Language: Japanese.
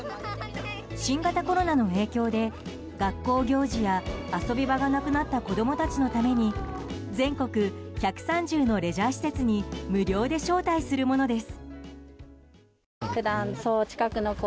新型コロナの影響で学校行事や遊び場がなくなった子供たちのために全国１３０のレジャー施設に無料で招待されるものです。